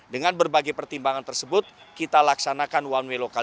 dengan berbagai pertimbangan tersebut kita laksanakan one way lockdow